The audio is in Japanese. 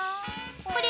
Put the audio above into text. これ。